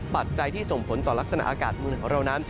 ปัจจัยที่ส่งผลต่อลักษณะอากาศเมืองของเรานั้น